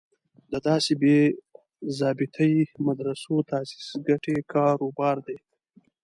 د داسې بې ضابطې مدرسو تاسیس ګټې کار و بار دی.